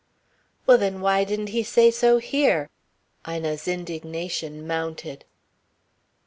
"Well, then, why didn't he say so here?" Ina's indignation mounted.